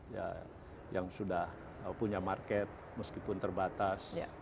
ya yang sudah punya market meskipun terbatas